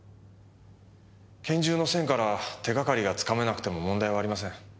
拳銃の線から手がかりがつかめなくても問題はありません。